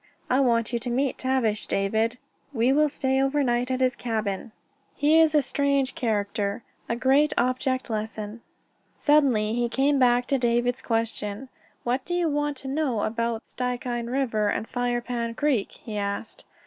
I want you to meet Tavish, David. We will stay overnight at his cabin. He is a strange character a great object lesson." Suddenly he came back to David's question. "What do you want to know about Stikine River and Firepan Creek?" he asked.